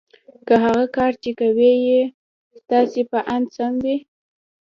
که هغه کار چې کوئ یې ستاسې په اند سم وي